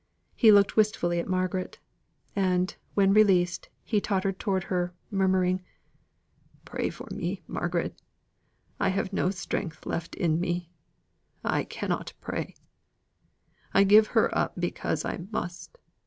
He looked wistfully at Margaret; and, when released, he tottered towards her, murmuring, "Pray for me, Margaret. I have no strength left in me. I cannot pray. I give her up because I must.